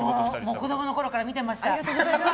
子供のころから見てました。